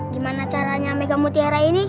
gimana caranya megang mutiara ini